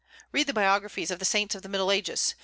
Read the biographies of the saints of the Middle Ages.